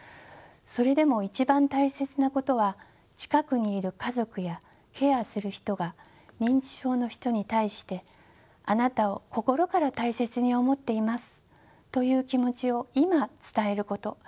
それでも一番大切なことは近くにいる家族やケアする人が認知症の人に対して「あなたを心から大切に思っています」という気持ちを今伝えること。